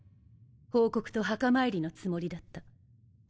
報告と墓参りのつもりだった。